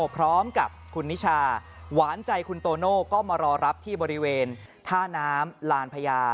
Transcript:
พร้อมกับคุณนิชาหวานใจคุณโตโน่ก็มารอรับที่บริเวณท่าน้ำลานพญา